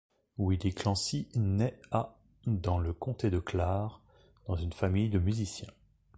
Willie Clancy naît à dans le comté de Clare, dans une famille de musiciens.